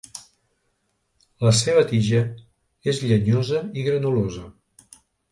La seva tija és llenyosa i granulosa.